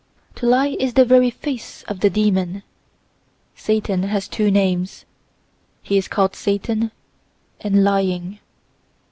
To lie is the very face of the demon. Satan has two names; he is called Satan and Lying.